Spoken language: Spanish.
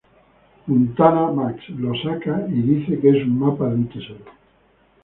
Montana Max se lo saca, y dice que es un mapa de un tesoro.